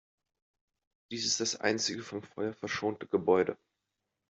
Dies ist das einzige vom Feuer verschonte Gebäude.